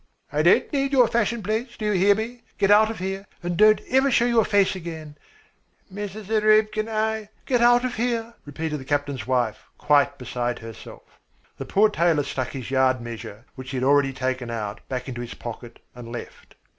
"I don't need your fashion plates, do you hear me? Get out of here, and don't ever show your face again." "Mrs. Zarubkin, I " "Get out of here," repeated the captain's wife, quite beside herself. The poor tailor stuck his yard measure, which he had already taken out, back into his pocket and left.